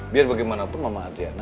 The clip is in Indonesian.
biar bagaimanapun mama adriana